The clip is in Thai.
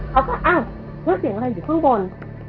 เขาก็อ้าวแล้วเสียงอะไรอยู่ข้างบน